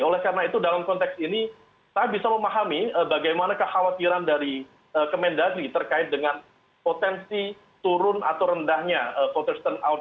oleh karena itu dalam konteks ini saya bisa memahami bagaimana kekhawatiran dari kemendagri terkait dengan potensi turun atau rendahnya voterstant out